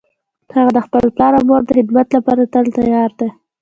هغه د خپل پلار او مور د خدمت لپاره تل تیار ده